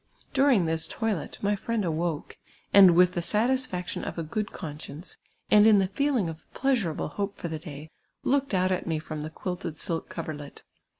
During this toilette my friend awoke, and with the satisfac tion of a good conscience, and in the feeling of pleasuiablc hope for the day, looked out at me from the quilted silk cover let.